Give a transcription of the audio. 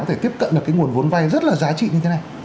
có thể tiếp cận được cái nguồn vốn vay rất là giá trị như thế này